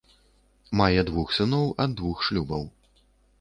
Мае двух сыноў ад двух шлюбаў.